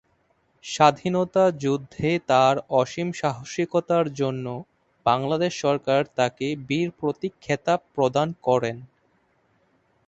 স্বাধীনতা যুদ্ধে তার অসীম সাহসিকতার জন্য বাংলাদেশ সরকার তাকে বীর প্রতীক খেতাব প্রদান করেন।